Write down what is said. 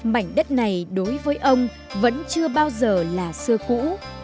mảnh đất này đối với ông vẫn chưa bao giờ là xưa cũ